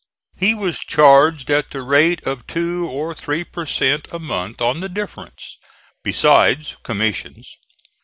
He was charged at the rate of two or three per cent. a month on the difference, besides commissions.